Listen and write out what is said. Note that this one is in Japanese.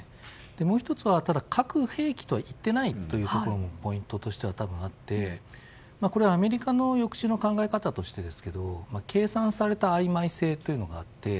もう１つは核兵器とは言ってないというところもポイントとしてあってこれはアメリカの抑止の考え方としてですけど計算された曖昧性というのがあって。